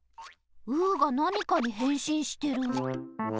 うーがなにかにへんしんしてる。